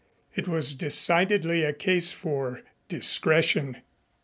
It was decidedly a case for discretion.